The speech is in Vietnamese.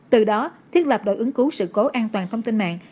từ đó thiết lập đội ứng cứu sự cố an toàn thông tin mạng